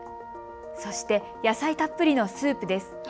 そして野菜たっぷりのスープです。